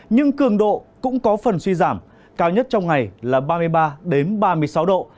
nhưng cường độ cũng có phần suy giảm cao nhất trong ngày là ba mươi ba ba mươi sáu độ